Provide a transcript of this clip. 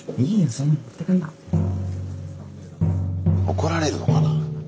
怒られるのかな？